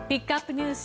ＮＥＷＳ